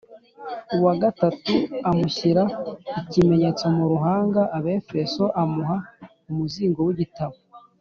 Uwa gatatu amushyira ikimenyetso mu ruhanga (Abefeso :) amuha umuzingo w’igitabo